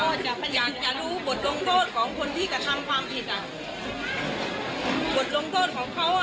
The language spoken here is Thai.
จะพยายามจะรู้บทลงโทษของคนที่กระทำความผิดอ่ะบทลงโทษของเขาอ่ะ